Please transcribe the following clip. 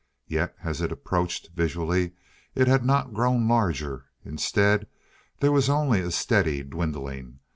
Yet, as it approached, visually it had not grown larger. Instead, there was only a steady dwindling.